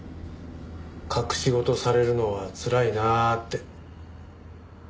隠し事されるのはつらいなって。